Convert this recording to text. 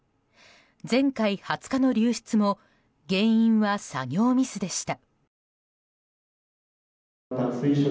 前回、２０日の流出も原因は作業ミスでした。